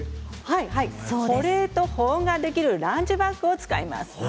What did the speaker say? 保冷と保温ができるランチバッグを使います。